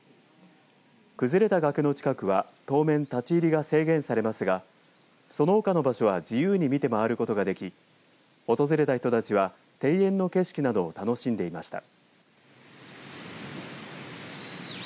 崩れた崖の近くは当面立ち入りが制限されますがそのほかの場所は自由に見て回ることができ訪れた人たちは庭園の景色などを楽しんでいました。